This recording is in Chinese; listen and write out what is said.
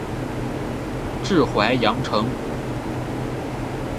治淮阳城。